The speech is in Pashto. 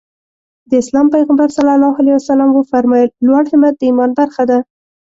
د اسلام پيغمبر ص وفرمايل لوړ همت د ايمان برخه ده.